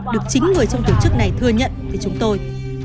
được chính người trong tổ chức này thừa nhận từ chúng tôi